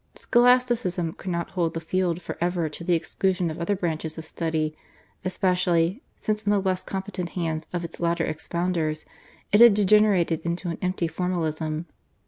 Scholasticism could not hold the field for ever to the exclusion of other branches of study, especially, since in the less competent hands of its later expounders it had degenerated into an empty formalism.